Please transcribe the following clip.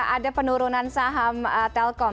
ada penurunan saham telkom